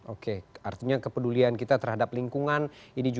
oke artinya kepedulian kita terhadap lingkungan